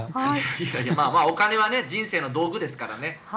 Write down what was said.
お金は人生の道具ですからね。